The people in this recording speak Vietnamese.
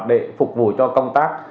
để phục vụ cho công tác